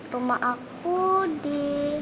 rumah aku di